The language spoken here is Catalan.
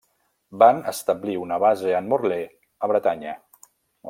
Van establir una base en Morlaix a Bretanya.